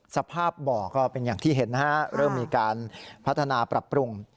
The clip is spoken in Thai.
สภาพบ่อก็เป็นอย่างที่เห็นนะฮะเริ่มมีการพัฒนาปรับปรุง